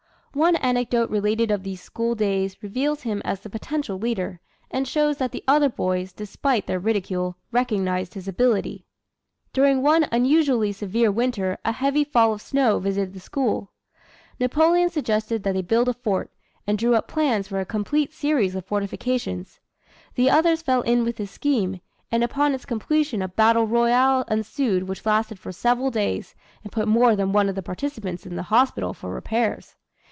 One anecdote related of these school days reveals him as the potential leader, and shows that the other boys, despite their ridicule, recognized his ability. During one unusually severe winter a heavy fall of snow visited the school. Napoleon suggested that they build a fort, and drew up plans for a complete series of fortifications. The others fell in with his scheme, and upon its completion a battle royal ensued which lasted for several days and put more than one of the participants into the hospital for repairs.